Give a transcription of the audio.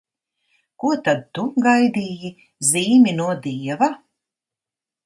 Ko tad tu gaidīji, zīmi no Dieva?